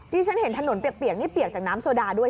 ที่ฉันเห็นถนนเปียกนี่เปียกจากน้ำโซดาด้วย